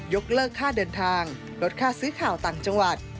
เลิกค่าเดินทางลดค่าซื้อข่าวต่างจังหวัด